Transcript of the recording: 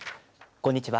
こんにちは。